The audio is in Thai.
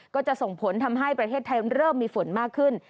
ก็จะส่งผลทำให้ประเทศไทยเริ่มมีฝนมากขึ้น